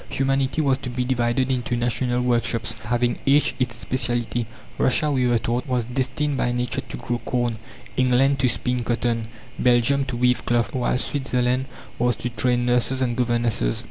Humanity was to be divided into national workshops, having each its speciality. Russia, we were taught, was destined by nature to grow corn; England to spin cotton; Belgium to weave cloth; while Switzerland was to train nurses and governesses.